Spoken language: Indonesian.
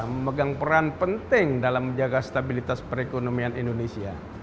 memegang peran penting dalam menjaga stabilitas perekonomian indonesia